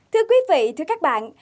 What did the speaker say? thưa quý vị thưa các bạn